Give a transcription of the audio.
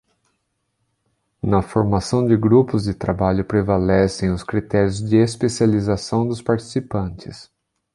Na formação de grupos de trabalho prevalecem os critérios de especialização dos participantes.